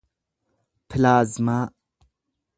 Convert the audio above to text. pilaazmaa